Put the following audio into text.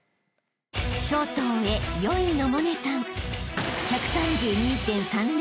［ショートを終え４位の百音さん］